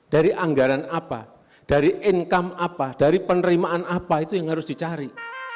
dari anggaran apa dari income apa dari penerimaan apa itu yang harus dicari